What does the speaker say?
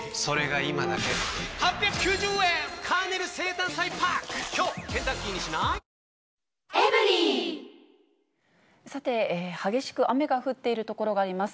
新しい「本麒麟」さて、激しく雨が降っている所があります。